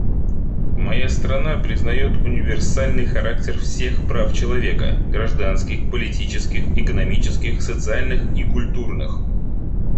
Моя страна признает универсальный характер всех прав человека — гражданских, политических, экономических, социальных и культурных.